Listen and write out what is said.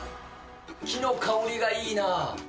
木の香りがいいな。